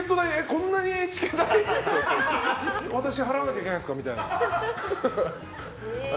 こんなに私、払わなきゃいけないんですかみたいな。